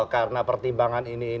karena pertimbangan ini